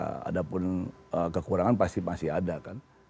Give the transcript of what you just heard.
ada pun kekurangan pasti masih ada kan